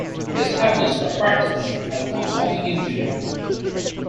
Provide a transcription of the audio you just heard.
He established a practice as a consulting engineer.